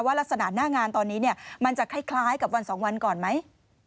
ลักษณะหน้างานตอนนี้มันจะคล้ายกับวันสองวันก่อนไหม